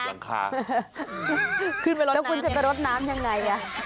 แล้วคุณจะรดน้ำยังไงอ่ะ